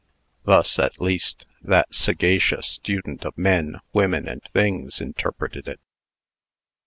Thus, at least, that sagacious student of men, women, and things, interpreted it.